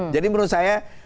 jadi menurut saya